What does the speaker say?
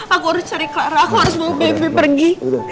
aku harus cari clara aku harus bawa bebe pergi